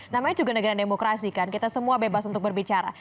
namanya juga negara demokrasi kan kita semua bebas untuk berbicara